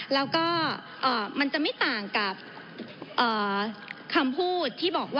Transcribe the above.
แล้วก็มันจะไม่ต่างกับคำพูด